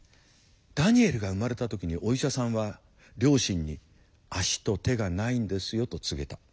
ダニエルが生まれた時にお医者さんは両親に「足と手がないんですよ」と告げた。